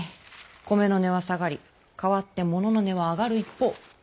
米の値は下がり代わって物の値は上がる一方。